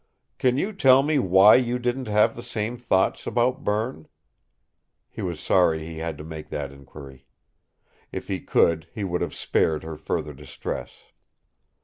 "Can you tell me why you didn't have the same thoughts about Berne?" He was sorry he had to make that inquiry. If he could, he would have spared her further distress.